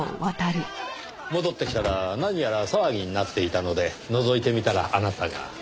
戻ってきたら何やら騒ぎになっていたのでのぞいてみたらあなたが。